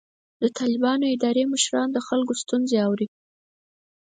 د طالبانو اداري مشران د خلکو ستونزې اوري.